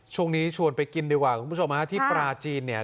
ช่วงนี้ชวนไปกินดีกว่าคุณผู้ชมฮะที่ปลาจีนเนี่ย